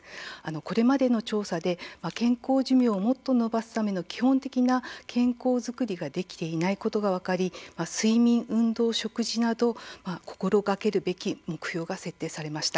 これまでの調査で健康寿命をもっと延ばすための基本的な健康作りができていないことが分かり睡眠、運動、食事など心がけるべき目標が設定されました。